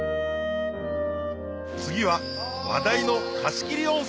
次は話題の貸し切り温泉！